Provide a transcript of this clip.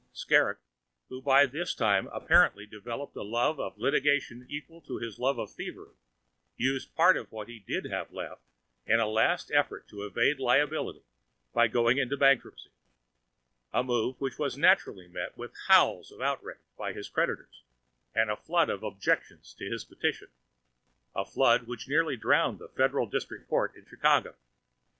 Skrrgck, who had by this time apparently developed a love of litigation equal to his love of thievery, used part of what he did have left in a last effort to evade liability by going into bankruptcy, a move which was naturally met with howls of outrage by his creditors and a flood of objections to his petition, a flood which very nearly drowned the Federal District Court in Chicago.